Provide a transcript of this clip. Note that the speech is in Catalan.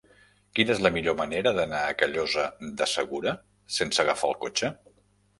Quina és la millor manera d'anar a Callosa de Segura sense agafar el cotxe?